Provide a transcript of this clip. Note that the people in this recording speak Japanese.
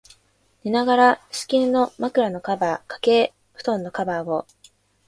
寝ながら、敷布、枕のカバー、掛け蒲団のカバーを、